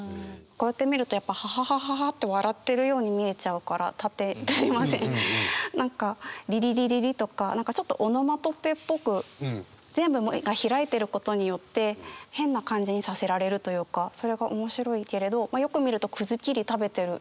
こうやって見るとやっぱ「ははははは」って笑ってるように見えちゃうから何か「りりりりり」とか何かちょっとオノマトペっぽく全部もう一回開いてることによって変な感じにさせられるというかそれが面白いけれどまあよく見るとくずきり食べてる。